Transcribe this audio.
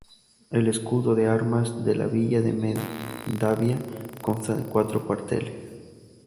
El escudo de armas de la villa de Mendavia consta de cuatro cuarteles.